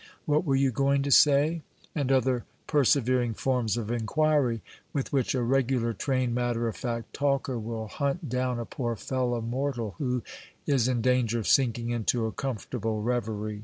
"What were you going to say?" and other persevering forms of inquiry, with which a regular trained matter of fact talker will hunt down a poor fellow mortal who is in danger of sinking into a comfortable revery.